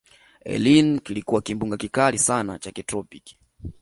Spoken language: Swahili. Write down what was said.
eline kilikuwa kimbunga kikali sana cha kitropiki